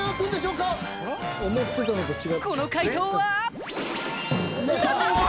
この快答は？